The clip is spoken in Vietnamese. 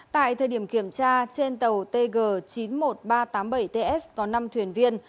tại thời điểm kiểm tra trên tàu tg chín mươi một nghìn ba trăm tám mươi bảy ts có năm thuyền viên